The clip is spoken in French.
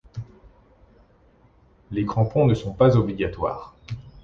Les crampons ne sont pas obligatoires.